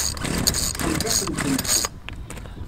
Ṭṭfent-asen-tent-id.